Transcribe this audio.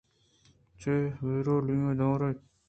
جیر یمیاءَ درّائینت